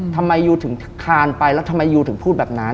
ทำไมยูถึงคานไปแล้วทำไมยูถึงพูดแบบนั้น